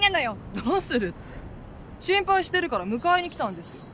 どうするって心配してるから迎えに来たんですよ。